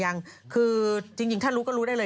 ยังคือจริงถ้ารู้ก็รู้ได้เลย